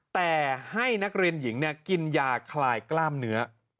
แต่ให้นักเรียนหญิงกินยาคลายกล้ามเนื้อ